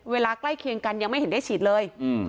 ใกล้เคียงกันยังไม่เห็นได้ฉีดเลย